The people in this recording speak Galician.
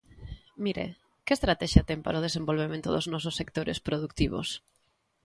Mire, ¿que estratexia ten para o desenvolvemento dos nosos sectores produtivos?